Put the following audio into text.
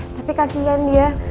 tapi kasian dia